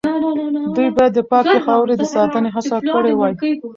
دوی باید د پاکې خاورې د ساتنې هڅه کړې وای.